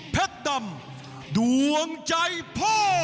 เพศตำดวงใจพ่อ